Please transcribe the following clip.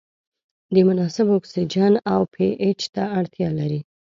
د مناسب اکسیجن او پي اچ ته اړتیا لري.